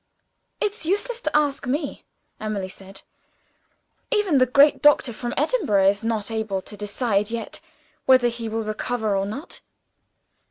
"It's useless to ask me," Emily said. "Even the great man from Edinburgh is not able to decide yet, whether he will recover or not."